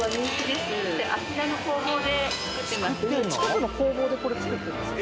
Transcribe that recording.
近くの工房でこれ作ってるんですか。